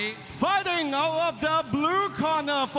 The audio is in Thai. มาถึงด้านนักชกในมุมแดงกันบ้างดีกว่านะครับ